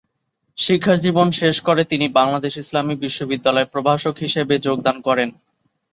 শিক্ষাজীবন শেষ করে তিনি বাংলাদেশ ইসলামী বিশ্ববিদ্যালয়ে প্রভাষক হিসেবে যোগদান করেন।